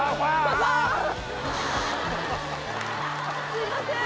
すいません